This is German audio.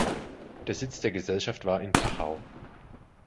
Der Sitz der Gesellschaft war in Tachau.